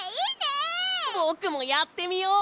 ぼくもやってみよう！